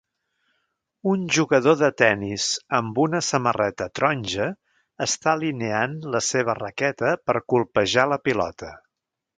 Un jugador de tenis amb una samarreta taronja està alineant la seva raqueta per colpejar la pilota